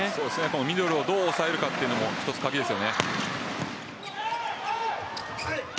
ミドルをどう抑えるかも１つ鍵です。